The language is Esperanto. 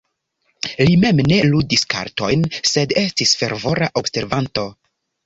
Li mem ne ludis kartojn, sed estis fervora observanto.